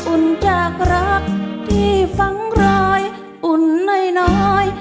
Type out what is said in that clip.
อุ่นจากรักที่ฟังรอยอุ่นน้อย